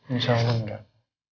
insya allah enggak